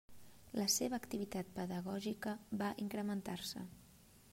La seva activitat pedagògica va incrementar-se.